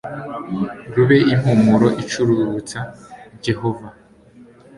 rube impumuro icururutsa yehova